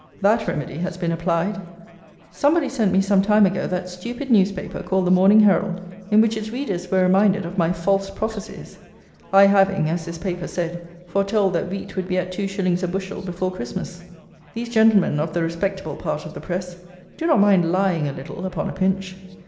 That remedy has been applied! Somebody sent me some time ago that stupid newspaper, called the Morning Herald, in which its readers were reminded of my "false prophecies," I having (as this paper said) foretold that wheat would be at two shillings a bushel before Christmas. These gentlemen of the "respectable part of the press" do not mind lying a little upon a pinch.